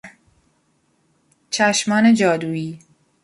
چشمان جادویی